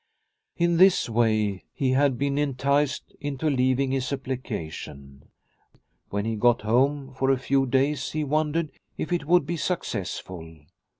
In this way he had been enticed into leaving his application. When he got home, for a few days he wondered if it would be successful.